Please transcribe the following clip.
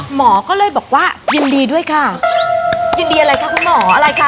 หมอก็เลยบอกว่ายินดีด้วยค่ะยินดีอะไรคะคุณหมออะไรคะ